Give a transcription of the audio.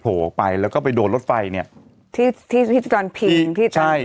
โผล่ออกไปแล้วก็ไปโดนรถไฟเนี้ยที่ที่ที่ตอนพิงที่ตอนรถไฟสีใช่